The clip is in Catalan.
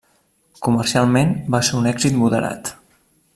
Comercialment, va ser un èxit moderat.